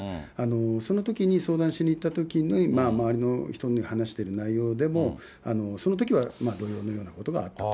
そのときに相談しに行ったときに、周りの人に話してる内容でも、そのときは同様のようなことがあったと。